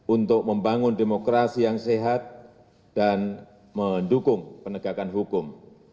untuk membangun demokrasi yang sehat dan mendukung penegakan hukum